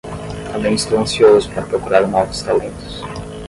Também estou ansioso para procurar novos talentos.